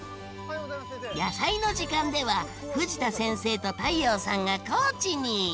「やさいの時間」では藤田先生と太陽さんが高知に！